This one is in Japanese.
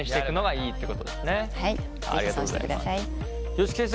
吉木先生